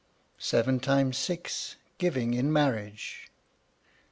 SEVEN TIMES SIX. GIVING IN MARRIAGE.